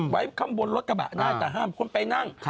ไว้ข้างบนรถกระบะได้แต่ห้ามคนไปนั่ง